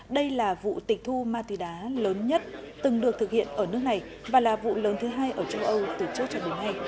đây là vụ tịch thu ma túy đá lớn nhất từng được thực hiện ở nước này và là vụ lớn thứ hai ở châu âu từ trước cho đến nay